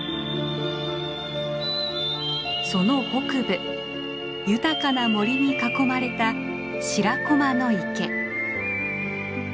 その北部豊かな森に囲まれた白駒の池。